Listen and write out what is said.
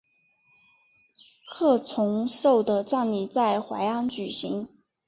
郝崇寿的葬礼在淮安举行。